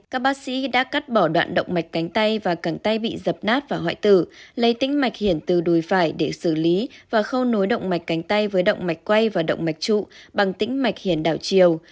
các bác sĩ đã cắt bỏ đoạn động mạch cánh tay và cánh tay bị dập nát và hoại tử lấy tính mạch hiển từ đùi phải để xử lý và khâu nối động mạch cánh tay với động mạch quay và động mạch trụ bằng tĩnh mạch hiển đảo chiều